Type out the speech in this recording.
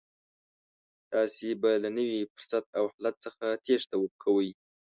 تاسې به له نوي فرصت او حالت څخه تېښته کوئ.